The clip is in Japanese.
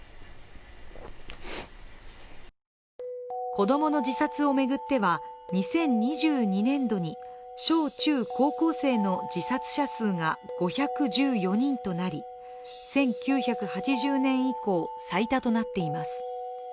子供の自殺を巡っては２０２２年度に小中高校生の自殺者数が５１４人となり１９８０年以降、最多となっています。